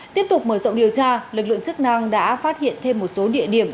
tiếp tục mở rộng điều tra lực lượng chức năng đã phát hiện thêm một số địa điểm